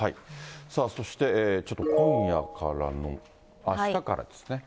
さあそして、ちょっと今夜からの、あしたからですね。